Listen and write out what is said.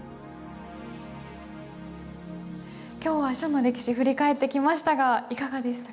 今日は書の歴史振り返ってきましたがいかがでしたか？